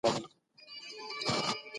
دوه ډوله ژوند په ټولنه کي شتون لري.